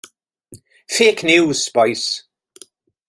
Ffêc niws, bois.